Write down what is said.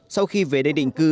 sau khi về đây định cư